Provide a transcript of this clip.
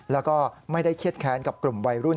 แล้วก็ไม่ได้เครียดแค้นกับกลุ่มวัยรุ่น